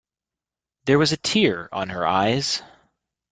There was a tear on her eyes.